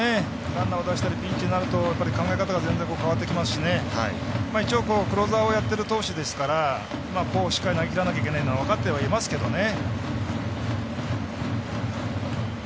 ランナー出すと考え方が全然変わってきますし一応、クローザーをやってる投手ですからしっかり投げきらなきゃいけないのは分かってはいますけどね。